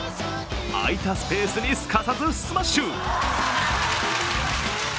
空いたスペースにすかさずスマッシュ！